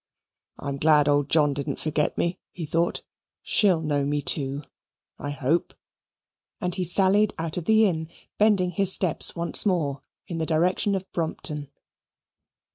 "I'm glad old John didn't forget me," he thought. "She'll know me, too, I hope." And he sallied out of the inn, bending his steps once more in the direction of Brompton.